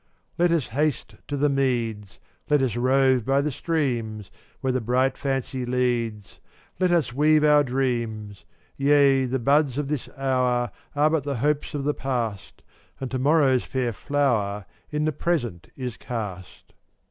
43 1 Let us haste to the meads, Let us rove by the streams; Where the bright fancy leads, Let us weave us our dreams. Yea, the buds of this hour Are the hopes of the past, And to morrow's fair flower In the present is cast.